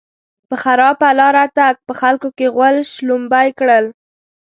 پر خراپه لاره تګ؛ په خلګو کې غول شلومبی کړل.